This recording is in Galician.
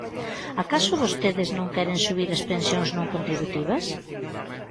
¿Acaso vostedes non queren subir as pensións non contributivas?